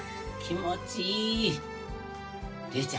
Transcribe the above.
気持ちいい。